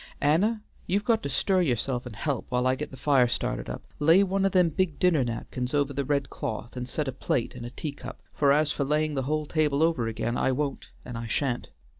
Anna, you've got to stir yourself and help, while I get the fire started up; lay one o' them big dinner napkins over the red cloth, and set a plate an' a tea cup, for as for laying the whole table over again, I won't and I shan't.